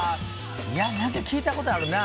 何か聞いたことあるな。